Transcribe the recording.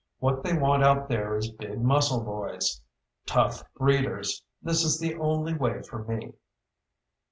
What they want out there is big muscle boys. Tough breeders. This is the only way for me."